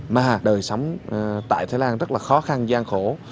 mà đời sống tại thái lan rất là khó khăn gian khổ